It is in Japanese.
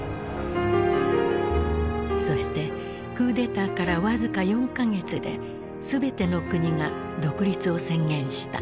そしてクーデターから僅か４か月で全ての国が独立を宣言した。